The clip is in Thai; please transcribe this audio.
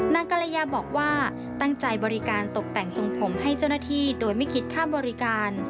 กรยาบอกว่าตั้งใจบริการตกแต่งทรงผมให้เจ้าหน้าที่โดยไม่คิดค่าบริการ